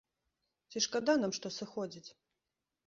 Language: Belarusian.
Ці шкада нам, што сыходзіць?